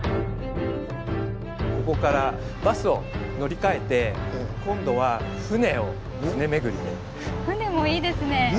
ここからバスを乗り換えて船もいいですね。